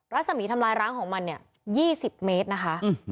รัศมีร์ทำลายร้างของมันเนี่ย๒๐เมตรนะคะ